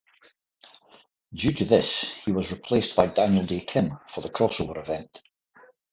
Due to this he was replaced by Daniel Dae Kim for the crossover event.